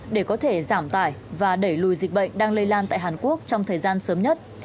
để có thể giảm tải và đẩy lùi dịch bệnh đang lây lan tại hàn quốc trong thời gian sớm nhất